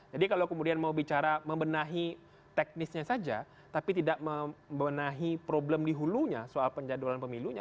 jadi kalau kemudian mau bicara membenahi teknisnya saja tapi tidak membenahi problem dihulunya soal penjadwalan pemilunya